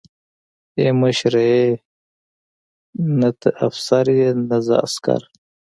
ای مشره ای نه ته افسر يې نه زه عسکر.